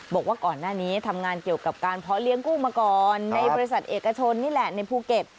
บอกว่าก่อนหน้านี้ทำงานเกี่ยวกับการเพาะเลี้ยงกู้มาก่อนในบริษัทเอกชนนี่แหละในภูเก็ต